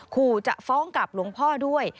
ขู่จะฟ้องกับหลวงพ่อด้วย